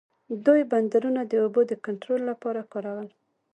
دوی بندرونه د اوبو د کنټرول لپاره کارول.